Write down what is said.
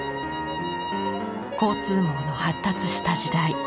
交通網の発達した時代。